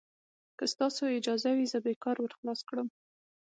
که ستاسې اجازه وي، زه به یې کار ور خلاص کړم.